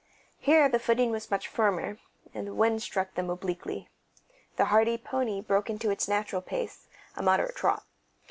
Here the footing was much firmer, and the wind struck them obliquely. The hardy pony broke into its natural pace, a moderate trot.